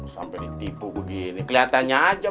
sampai ditipu gue gini kelihatannya aja